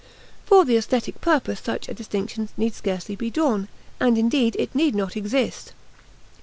For the aesthetic purpose such a distinction need scarcely be drawn, and indeed it need not exist.